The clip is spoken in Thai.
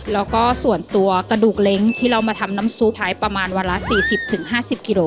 แล้วก็ส่วนตัวกระดูกเล้งที่เรามาทำน้ำซุปใช้ประมาณวันละสี่สิบถึงห้าสิบกิโล